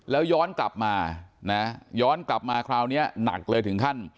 แล้วย้อนกลับมานะย้อนกลับมาคราวนี้หนักเลยถึงขั้น